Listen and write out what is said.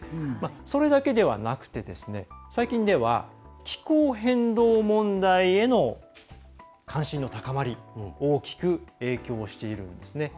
それだけではなくて最近では気候変動問題への関心の高まり大きく影響しているんですね。